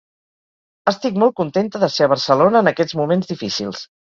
Estic molt contenta de ser a Barcelona en aquests moments difícils.